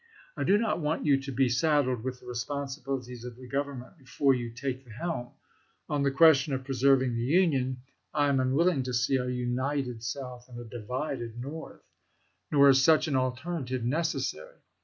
I do not want you to be saddled with the responsibilities of the Govern ment before you take the helm. On the question of preserving the Union, I am unwilling to see a united South and a divided North. Nor is such an alternative necessary.